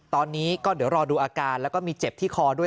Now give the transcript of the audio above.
ตอนนี้ก็เดี๋ยวรอดูอาการแล้วก็มีเจ็บที่คอด้วย